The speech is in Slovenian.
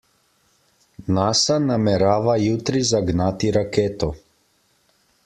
NASA namerava jutri zagnati raketo.